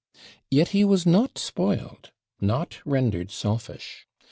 Yet he was not spoiled not rendered selfish.